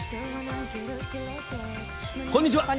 こんにちは。